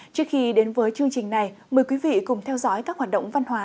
trước khi đến với chương trình này mời quý vị cùng theo dõi các hoạt động văn hóa